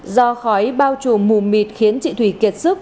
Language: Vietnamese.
do khói bao trùm mù mịt khiến chị thủy kiệt sức